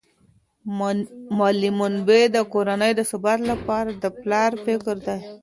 مالی منابع د کورنۍ د ثبات لپاره د پلار فکر دي.